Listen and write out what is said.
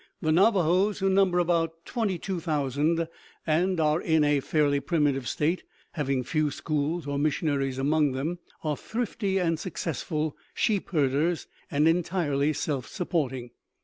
The Navajoes, who number about 22,000 and are in a fairly primitive state, having few schools or missionaries among them, are thrifty and successful sheep herders and entirely self supporting.